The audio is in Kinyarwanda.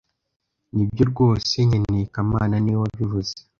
Nibyo rwose nkeneye kamana niwe wabivuze